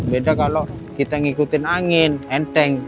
beda kalau kita ngikutin angin enteng